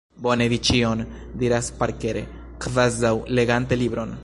Bone vi ĉion diras parkere, kvazaŭ legante libron!